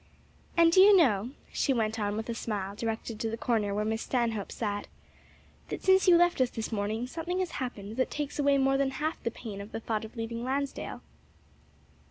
"And do you know," she went on with a smile directed to the corner where Miss Stanhope sat, "that since you left us this morning something has happened that takes away more than half the pain of the thought of leaving Lansdale?"